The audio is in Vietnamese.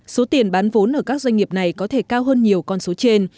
số tiền bán vốn ở các doanh nghiệp này có thể cao hơn nhiều con số trên